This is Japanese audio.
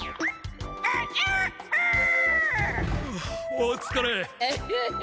・おつかれ。